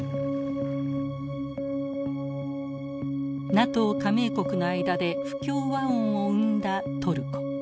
ＮＡＴＯ加盟国の間で不協和音を生んだトルコ。